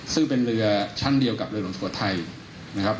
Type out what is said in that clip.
ซึ่งเป็นเรือชั้นเดียวกับเรือหลวงสุโขทัยนะครับ